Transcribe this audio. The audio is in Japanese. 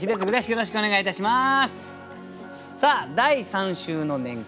よろしくお願いします。